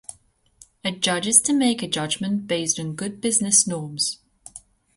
A judge is to make a judgement based on "good business norms".